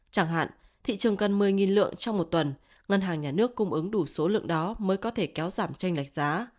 chẳng hạn thị trường gần một mươi lượng trong một tuần ngân hàng nhà nước cung ứng đủ số lượng đó mới có thể kéo giảm tranh lệch giá